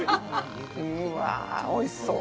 うわおいしそう。